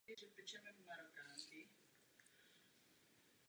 Jedná se o základní nástroj měnové politiky.